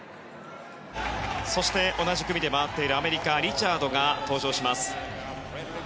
そして同じ組で回っているアメリカのリチャードが登場します。